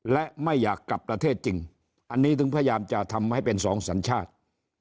และไม่อยากกลับประเทศจริงอันนี้ถึงพยายามจะทำให้เป็นสองสัญชาติ